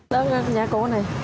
đó là nhà cô này